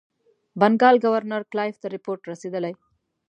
بنکال ګورنر کلایف ته رپوټ رسېدلی.